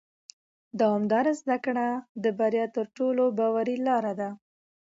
دوامداره زده کړه د بریا تر ټولو باوري لاره ده